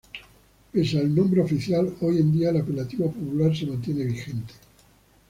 Pese al nombre oficial, hoy en día el apelativo popular se mantiene vigente.